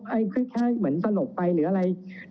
แต่ถ้าดูประสบการณ์คือเป็นถึงผู้บังคับปัญชาในสถานีอย่างนี้ค่ะ